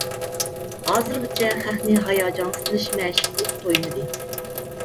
ھازىرغىچە خەقنى ھاياجانغا سېلىش مەشىقى قىلىپ تويمىدى.